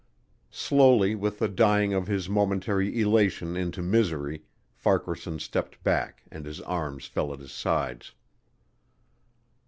Slowly with the dying of his momentary elation into misery Farquaharson stepped back and his arms fell at his sides.